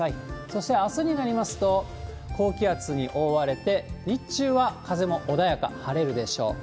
そしてあすになりますと、高気圧に覆われて、日中は風も穏やか、晴れるでしょう。